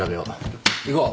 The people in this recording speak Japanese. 行こう。